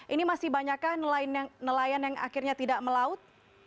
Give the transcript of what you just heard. ini masih banyakkah nelayan yang akhirnya tidak melaut